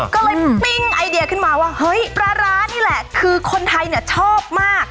ก็เลยปิ้งไอเดียขึ้นมาว่าเฮ้ยปลาร้านี่แหละคือคนไทยเนี่ยชอบมาก